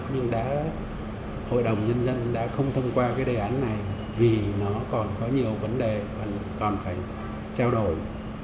nhưng đã hội đồng nhân dân đã không thông qua cái đề án này vì nó còn có nhiều vấn đề còn phải trao đổi